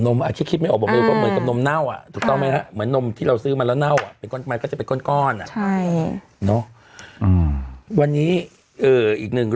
น้ำเต้าหู้มันเป็นโปรตีน